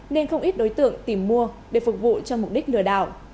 nên không ít đối tượng tìm mua để phục vụ cho mục đích lừa đảo